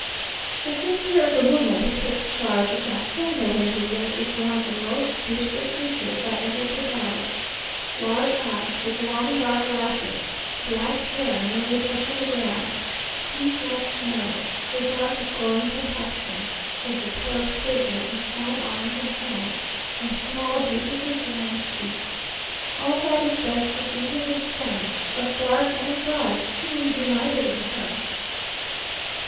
A sister of the woman who takes charge of the hacienda where we live, is one of the most beautiful creatures I ever beheld. Large eyes, with long dark lashes, black hair nearly touching the ground, teeth like snow, a dark but glowing complexion, a superb figure, with fine arms and hands, and small beautifully formed feet. All that is best of Indian and Spanish, "of dark and bright," seems united in her.